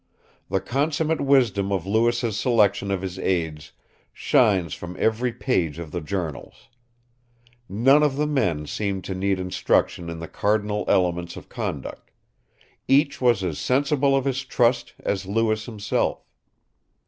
The consummate wisdom of Lewis's selection of his aids shines from every page of the journals. None of the men seemed to need instruction in the cardinal elements of conduct; each was as sensible of his trust as Lewis himself.